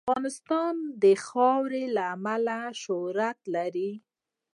افغانستان د خاوره له امله شهرت لري.